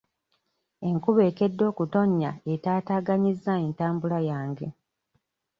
Enkuba ekedde okutonnya etaataaganyizza entambula yange.